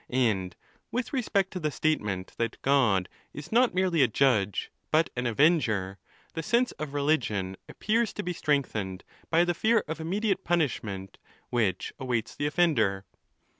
And with respect to the statement that God is not merely a judge, but an avenger, the sense of religion appears to be strengthened by the fear of immediate punishment which awaits the offender.